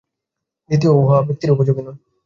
দ্বিতীয়ত উহা অধিকাংশ ব্যক্তিরই উপযোগী নয়।